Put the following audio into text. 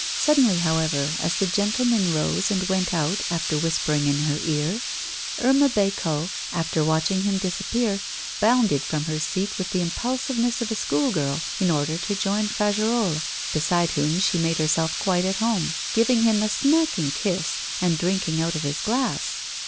Suddenly, however, as the gentleman rose and went out after whispering in her ear, Irma Bécot, after watching him disappear, bounded from her seat with the impulsiveness of a school girl, in order to join Fagerolles, beside whom she made herself quite at home, giving him a smacking kiss, and drinking out of his glass.